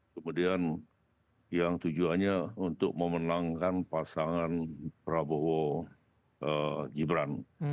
kemudian yang tujuannya untuk memenangkan pasangan prabowo gibran